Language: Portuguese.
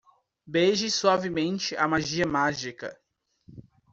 Beije suavemente a magia mágica